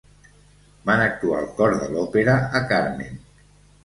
Van actuar al cor de l'òpera a Carmen.